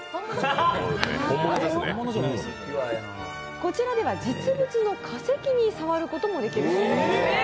こちらでは実物の化石に触ることもできるんです。